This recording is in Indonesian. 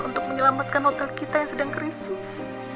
untuk menyelamatkan hotel kita yang sedang krisis